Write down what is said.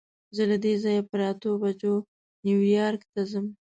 زه له دې ځایه پر اتو بجو نیویارک ته ځم.